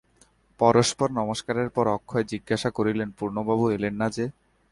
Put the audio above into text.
পরস্পর নমস্কারের পর অক্ষয় জিজ্ঞাসা করিলেন, পূর্ণবাবু এলেন না যে?